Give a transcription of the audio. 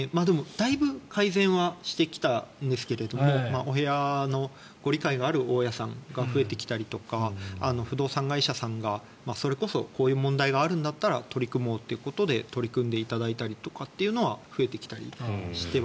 だいぶ改善はしてきたんですがお部屋の理解がある大家さんが増えてきたりとか不動産会社さんが、それこそこういう問題があるんだったら取り組もうということで取り組んだりということは増えてきていまして。